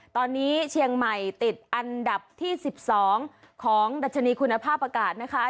ตอนนี้เชียงใหม่ติดอันดับที่๑๒ของดัชนีคุณภาพอากาศนะคะ